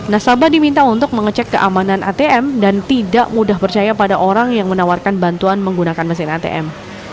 nasabah diminta untuk mengecek keamanan atm dan tidak mudah percaya pada orang yang menawarkan bantuan menggunakan mesin atm